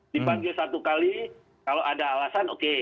dipanggil satu kali kalau ada alasan oke